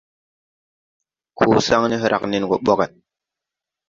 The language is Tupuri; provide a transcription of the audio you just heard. Koo saŋne hrag nen gɔ bɔgge.